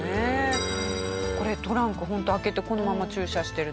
これトランクホント開けてこのまま駐車してる。